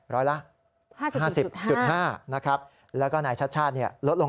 ร้อยละ๕๐๕นะครับแล้วก็นายชัดชาติลดลง